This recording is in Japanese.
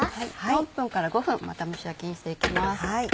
４分から５分また蒸し焼きにしていきます。